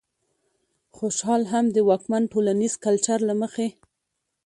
خوشال هم د واکمن ټولنيز کلچر له مخې